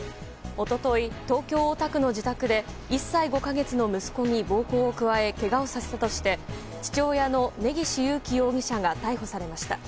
一昨日、東京・大田区の自宅で１歳５か月の息子に暴行を加えけがをさせたとして父親の根岸優貴容疑者が逮捕されました。